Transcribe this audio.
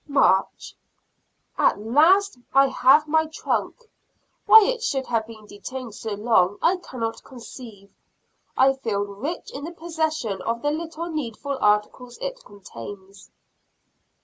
March. At last I have my trunk: why it should have been detained so long I cannot conceive. I feel rich in the possession of the little needful articles it contains.